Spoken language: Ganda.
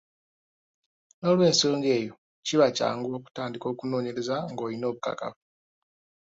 N’olw’ensonga eyo, kiba kyangu okutandika okunoonyereza ng’olina obukakafu.